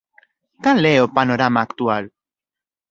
Cal é o panorama actual?